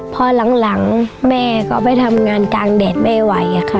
พอหลังแม่ก็ไปทำงานกลางแดดไม่ไหวค่ะ